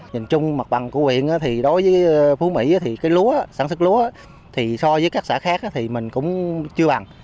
nhìn chung mặt bằng của quyện thì đối với phú mỹ thì cái lúa sản xuất lúa thì so với các xã khác thì mình cũng chưa bằng